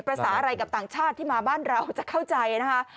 ภาษาอะไรกับต่างชาติที่มาบ้านเราจะเข้าใจนะคะ